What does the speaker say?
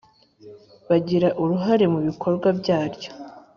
bagira uruhare mu bikorwa byaryo